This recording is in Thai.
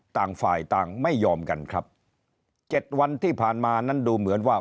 ต่างฝ่ายต่างไม่ยอมกันครับเจ็ดวันที่ผ่านมานั้นดูเหมือนว่า